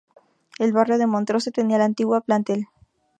El barrio de Montrose tenía la antigua plantel.